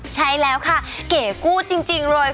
ใช่แล้วค่ะเก๋กู้จริงเลยค่ะ